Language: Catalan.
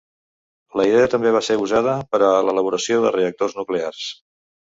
La idea també va ser usada per a l'elaboració de reactors nuclears.